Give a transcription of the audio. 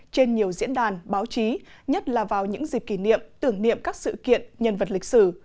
trên nhiều diễn đàn báo chí nhất là vào những dịp kỷ niệm tưởng niệm các sự kiện nhân vật lịch sử